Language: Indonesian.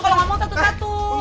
kalau nggak mau satu satu